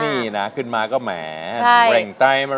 นี่นะขึ้นมาก็แหมแหล่งใต้มาเลย